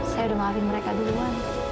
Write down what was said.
saya udah maafin mereka duluan